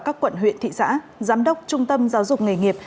các quận huyện thị xã giám đốc trung tâm giáo dục nghề nghiệp